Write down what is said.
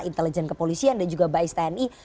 intelijen kepolisian dan juga bais tni